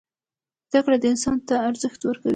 زدکړه انسان ته ارزښت ورکوي.